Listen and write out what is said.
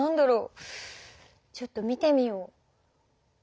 ちょっと見てみよう。